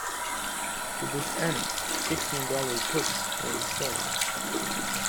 To this end, six new gallows hooks were installed.